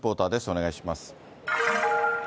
お願いします。